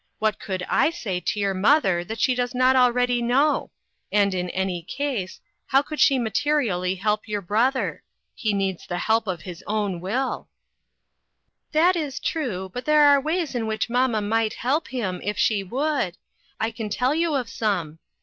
What could I say to your mother that she does not already know ? and in any case, how could she materially help your brother? He needs the help of his own will." 342 INTERRUPTED. " That is true , but there are ways in which mamma might help him, if she would. I can tell you of some.